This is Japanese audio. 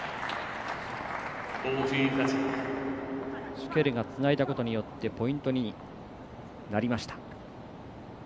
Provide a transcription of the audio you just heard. シュケルがつないだことによってポイントになりました。